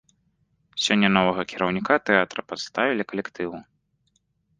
Сёння новага кіраўніка тэатра прадставілі калектыву.